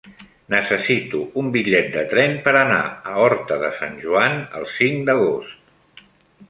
Necessito un bitllet de tren per anar a Horta de Sant Joan el cinc d'agost.